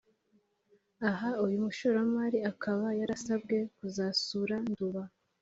aha uyu mushoramari akaba yarasabwe kuzasura nduba